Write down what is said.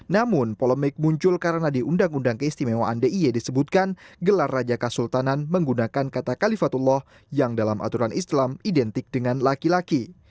namun polemik muncul karena di undang undang keistimewaan d i y disebutkan gelar raja kesultanan menggunakan kata kalifatullah yang dalam aturan islam identik dengan laki laki